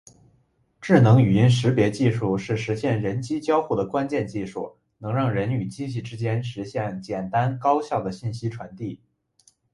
智能语音识别技术是实现人机交互的关键技术，能让人与机器之间实现简单高效的信息传递。